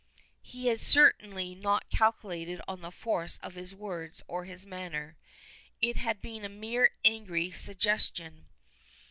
He had certainly not calculated on the force of his words or his manner. It had been a mere angry suggestion.